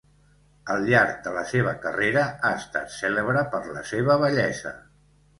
Al llarg de la seva carrera, ha estat cèlebre per la seva bellesa.